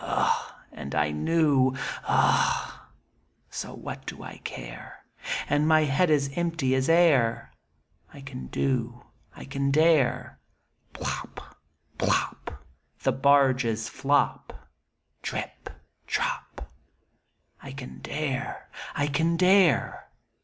Ugh ! and I knew ! vUgh ! So what .do I care, i^nd my head is as empty as air — A Tragedy. 8 7 I can do, I can dare, (Plop, plop, The barges flop Drip, drop.) I can dare, I can dare